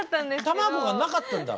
卵がなかったんだ。